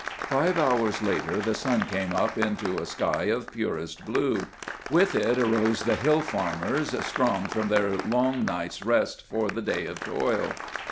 Five hours later the sun came up into a sky of purest blue. With it arose the hill farmers, strong from their long night's rest for the day of toil.